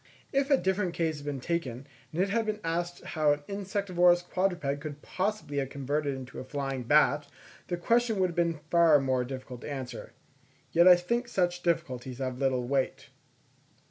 If a different case had been taken, and it had been asked how an insectivorous quadruped could possibly have been converted into a flying bat, the question would have been far more difficult to answer. Yet I think such difficulties have little weight.